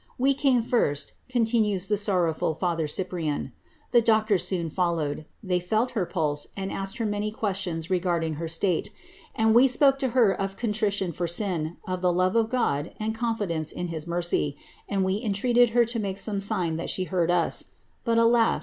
^^We came first," continues the sorrowful bther Cyprian \*^ the doctors soon followed ; they felt her puUe, and •iked her many questions regarding her state ; and we spoke to her of contrition for sin, of the love of God, and confidence in his mercy, and ve entreated her to make some sign that she heard us; but alas!